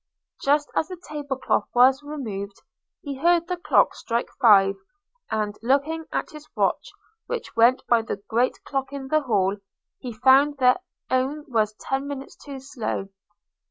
Just as the table cloth was removed, he heard the clock strike five; and, looking at his watch, which went by the great clock at the Hall, he found their own was ten minutes too slow.